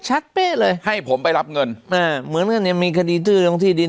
เป๊ะเลยให้ผมไปรับเงินอ่าเหมือนกันเนี่ยมีคดีตื้อลงที่ดิน